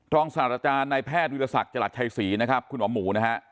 ทรงศาลจารย์ในแพทย์วิทยาศักดิ์จลัดชัยศรีนะครับคุณอ๋อมหมูนะฮะ